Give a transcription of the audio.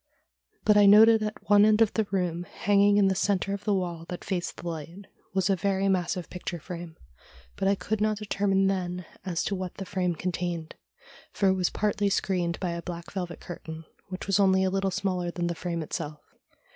But I noted at one end of the room, hanging in the centre of the wall that faced the light, was a very massive picture frame, but I could not determine then as to what the frame contained, for it was partly screened by a black velvet curtain, which was only a little smaller than the frame itself.